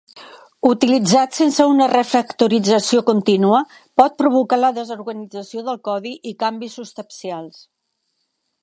Utilitzat sense una re-factorització continua, pot provocar la desorganització del codi i canvis substancials.